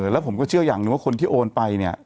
แล้วผมก็เชื่ออย่างหนึ่งว่าคนที่โอนไปเนี่ย